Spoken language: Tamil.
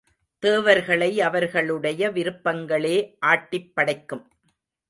தேவர்களை அவர்களுடைய விருப்பங்களே ஆட்டிப்படைக்கும்.